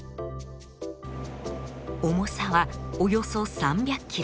重さはおよそ３００キロ。